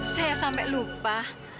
saya sampai lupa